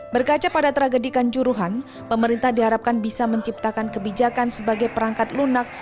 berkaca pada tragedi kanjuruhan pemerintah diharapkan bisa menciptakan kebijakan sebagai perangkat lunak